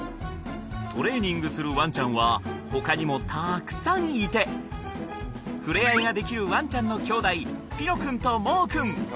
トレーニングするワンちゃんは他にもたーくさんいてふれあいができるワンちゃんの兄弟ピノくんとモウくん